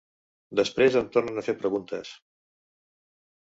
Després em tornen a fer preguntes.